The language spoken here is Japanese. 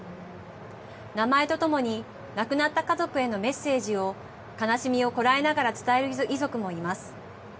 名前とともに亡くなった家族へのメッセージを悲しみをこらえながら伝える遺族もいます。